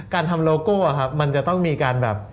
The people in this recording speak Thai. การทำโลโก้มันจะต้องมีการแบบ